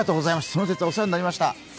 その節はお世話になりました。